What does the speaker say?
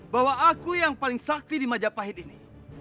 bahwa aku yang paling sakti di majapahit ini